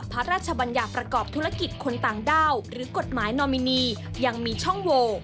พระราชบัญญัติประกอบธุรกิจคนต่างด้าวหรือกฎหมายนอมินียังมีช่องโว